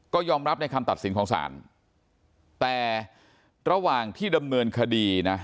ก็ยอมรับในคำตัดสินของศาลแต่ระหว่างที่ดำเนินคดีนะ